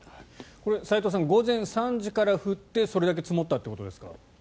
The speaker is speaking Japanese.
齋藤さん午前３時から降ってそれだけ積もったということですか？